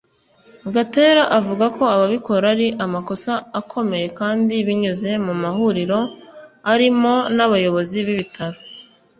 Gatera avuga ko ababikora ari amakosa akomeye kandi binyuze mu mahuriro arimo n’abayobozi b’ibitaro